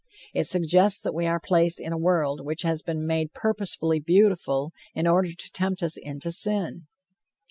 It suggests that we are placed in a world which has been made purposely beautiful, in order to tempt us into sin.